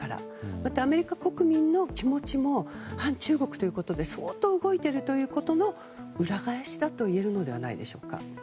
また、アメリカ国民の気持ちも反中国ということで相当動いているということの裏返しだといえるのではないでしょうか。